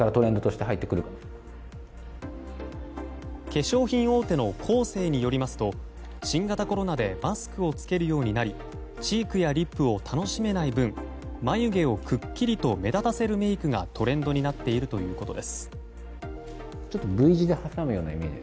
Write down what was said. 化粧品大手のコーセーによりますと新型コロナでマスクを着けるようになりチークやリップを楽しめない分眉毛をくっきりと目立たせるメイクがトレンドになっているということです。